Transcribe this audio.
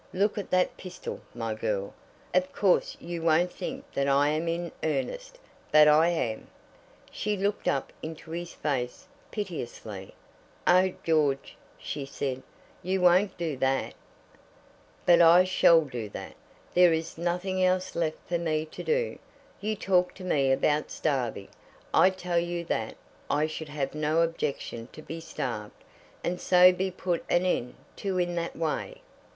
Look at that pistol, my girl. Of course you won't think that I am in earnest, but I am." She looked up into his face piteously. "Oh! George," she said, "you won't do that?" [Illustration: "Oh! George," she said, "you won't do that?"] "But I shall do that. There is nothing else left for me to do. You talk to me about starving. I tell you that I should have no objection to be starved, and so be put an end to in that way.